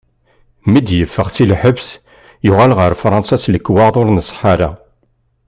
Mi d-yeffeɣ si lḥebs, yuɣal ɣer Fṛansa s lekwaɣeḍ ur nṣeḥḥa ara.